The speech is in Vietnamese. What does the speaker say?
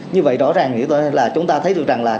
như vậy rõ ràng nghĩa là chúng ta thấy được rằng là